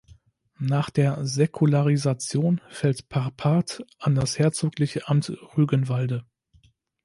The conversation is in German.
Nach der Säkularisation fällt Parpart an das herzogliche Amt Rügenwalde.